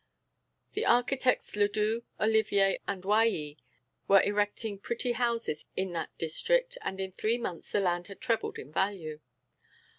The architects Ledoux, Olivier and Wailly were erecting pretty houses in that district, and in three months the land had trebled in value.